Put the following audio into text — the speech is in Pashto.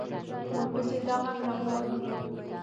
ورپسې دا غږ را ووت.